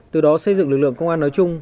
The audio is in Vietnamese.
từ đó xây dựng lực lượng công an nói chung